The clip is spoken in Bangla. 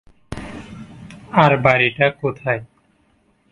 আর বাড়িটা কোথায়?